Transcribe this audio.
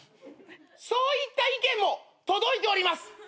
そういった意見も届いております。